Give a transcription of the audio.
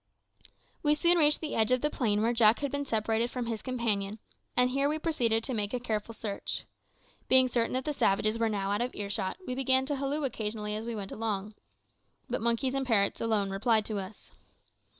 We soon reached the edge of the plain where Jack had been separated from his companion, and here we proceeded to make a careful search. Being certain that the savages were now out of earshot, we began to halloo occasionally as we went along. But monkeys and parrots alone replied to us.